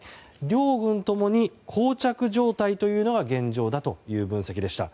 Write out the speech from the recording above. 両軍ともに膠着状態というのが現状だという分析でした。